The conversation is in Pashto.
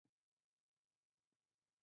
ښایست د مهرباني هنداره ده